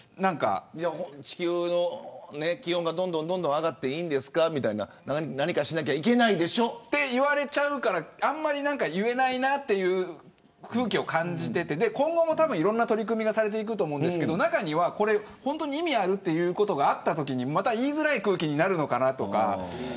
地球の気温がどんどん上がっていいんですか何かしなきゃいけないでしょう。と言われちゃうからあんまり言えないなという空気を感じていて今後もいろんな取り組みがされていくと思いますが中には本当に意味があるのということがあったときにまた言いづらい空気になるのかなとか。